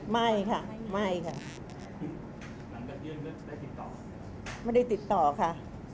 ไม่ค่ะไม่ค่ะไม่ได้ติดต่อค่ะ